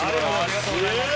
ありがとうございます！